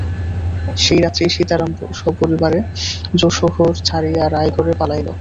সেই রাত্রেই সীতারাম সপরিবারে যশােহর ছাড়িয়া রায়গড়ে পালাইল।